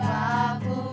saya berharap pak